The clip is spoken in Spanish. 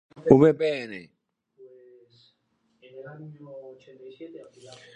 El pensamiento del necio es pecado: Y abominación á los hombres el escarnecedor.